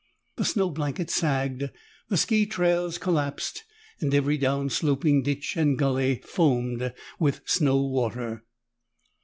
The snow blanket sagged, the ski trails collapsed, and every down sloping ditch and gulley foamed with snow water.